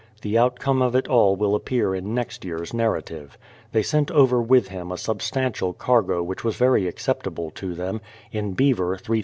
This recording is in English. The outcome of it all will appear in next year's narrative. They sent over with him a sub stantial cargo which was very acceptable to them : in beaver 3738 lbs.